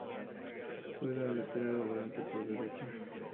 Juega de lateral o volante por derecha.